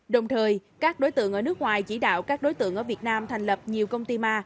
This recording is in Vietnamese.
đồng thời các đối tượng ở nước ngoài chỉ đạo các đối tượng ở việt nam thành lập nhiều công ty ma